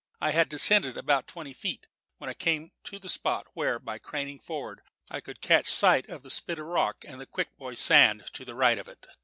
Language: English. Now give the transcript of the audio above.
I had descended about twenty feet, when I came to the spot where, by craning forward, I could catch sight of the spit of rock, and the Quick Boy Sand to the right of it.